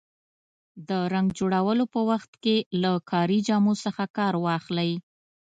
د رنګ جوړولو په وخت کې له کاري جامو څخه کار واخلئ.